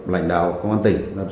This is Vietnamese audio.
lãnh đạo công an tỉnh